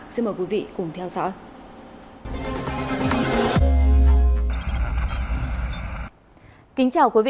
xin mời quý vị cùng theo dõi